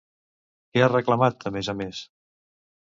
Què ha reclamat, a més a més?